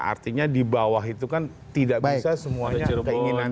artinya di bawah itu kan tidak bisa semuanya ada keinginan